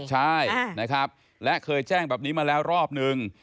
ใช่นะครับและเคยแจ้งแบบนี้มาแล้วรอบนึง